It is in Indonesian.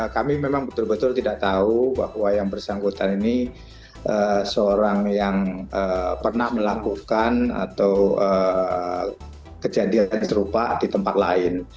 kami memang betul betul tidak tahu bahwa yang bersangkutan ini seorang yang pernah melakukan atau kejadian serupa di tempat lain